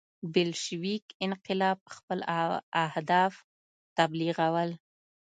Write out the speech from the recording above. بلشویک انقلاب خپل اهداف تبلیغول.